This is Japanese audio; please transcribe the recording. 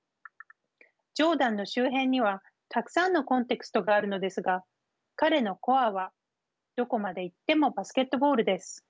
ジョーダンの周辺にはたくさんのコンテクストがあるのですが彼のコアはどこまでいってもバスケットボールです。